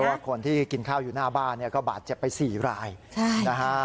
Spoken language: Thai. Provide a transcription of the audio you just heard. ว่าคนที่กินข้าวอยู่หน้าบ้านเนี่ยก็บาดเจ็บไป๔รายนะฮะ